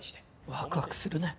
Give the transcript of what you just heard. ワクワクするなよ。